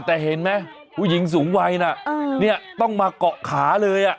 แต่เห็นไหมผู้หญิงสูงวัยน่ะต้องมาเกาะขาเลย